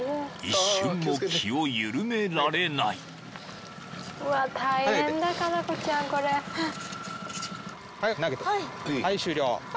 ［一瞬も気を緩められない］あ！